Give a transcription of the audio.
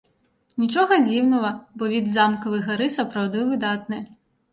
Нічога дзіўнага, бо від з замкавай гары сапраўды выдатны.